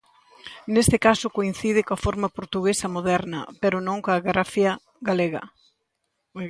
Neste caso coincide coa forma portuguesa moderna pero non coa grafía galega.